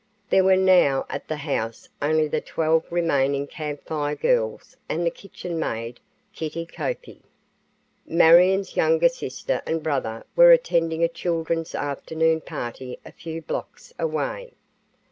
There were now at the house only the twelve remaining Camp Fire Girls and the kitchen maid, Kitty Koepke. Marion's younger sister and brother were attending a children's afternoon party a few blocks away.